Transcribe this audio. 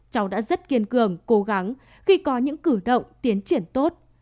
cháu đã rất kiên cường cố gắng khi có những cử động tiến triển tốt